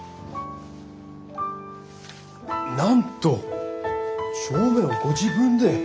なんと帳面をご自分で。